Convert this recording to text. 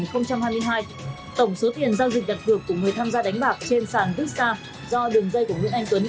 cũng tới gần hai tỷ đồng